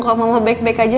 kalau mama baik baik aja